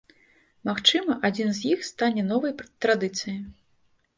Магчыма, адзін з іх стане новай традыцыяй.